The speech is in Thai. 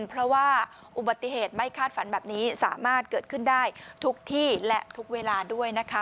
เพราะว่าอุบัติเหตุไม่คาดฝันแบบนี้สามารถเกิดขึ้นได้ทุกที่และทุกเวลาด้วยนะคะ